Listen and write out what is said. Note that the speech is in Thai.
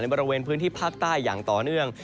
บริเวณพื้นที่ภาคใต้อย่างต่อเนื่อง